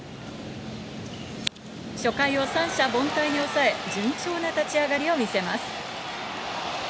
初回を三者凡退に抑え、順調な立ち上がりを見せます。